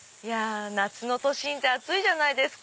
夏の都心って暑いじゃないですか。